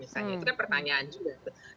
itu kan pertanyaan juga